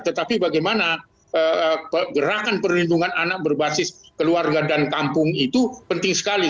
tetapi bagaimana gerakan perlindungan anak berbasis keluarga dan kampung itu penting sekali